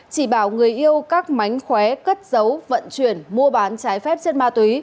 chỉ bảo người yêu các mánh khóe cất dấu vận chuyển mua bán trái phép trên ma túy